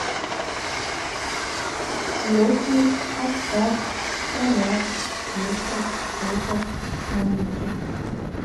Плотньык, апшат, столяр, слесарь, токарь, каменщик.